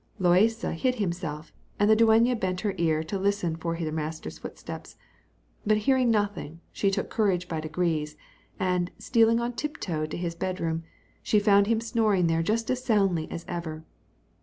Loaysa hid himself, and the dueña bent her ear to listen for her master's footsteps; but hearing nothing, she took courage by degrees, and stealing on tip toe to his bed room, she found him snoring there as soundly as ever.